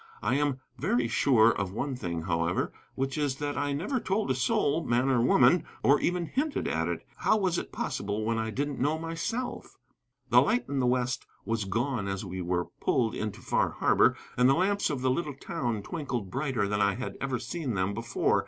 I am very sure of one thing, however, which is that I never told a soul, man or woman, or even hinted at it. How was it possible when I didn't know myself? The light in the west was gone as we were pulled into Far Harbor, and the lamps of the little town twinkled brighter than I had ever seen them before.